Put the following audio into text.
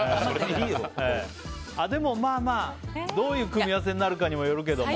でも、どういう組み合わせになるかにもよるけど。